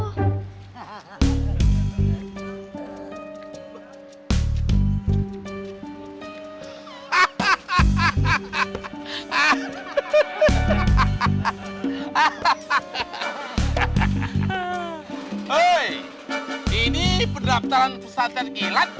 oh ini pendaftaran pesantren kilat